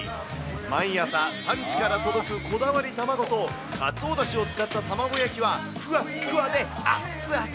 毎朝産地から届くこだわり卵と、かつおだしを使った卵焼きはふわっふわであっつあつ。